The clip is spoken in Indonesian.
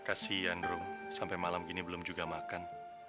kasian rung sampai malam gini belum juga makan